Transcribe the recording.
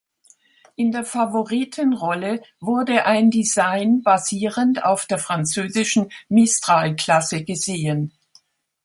In der Favoritenrolle wurde ein Design basierend auf der französischen "Mistral"-Klasse gesehen.